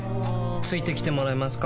付いてきてもらえますか？